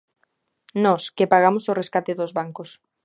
Nós, que pagamos o rescate dos bancos.